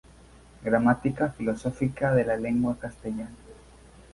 Gramática filosófica de la lengua castellana".